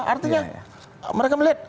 artinya mereka melihat